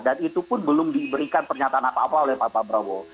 dan itu pun belum diberikan pernyataan apa apa oleh pak prabowo